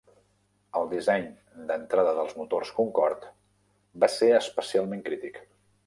El disseny d'entrada dels motors Concorde va ser especialment crític.